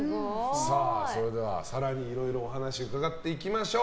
それでは更にいろいろお話、伺っていきましょう。